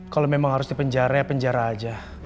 kalau memang harus dipenjara ya penjara aja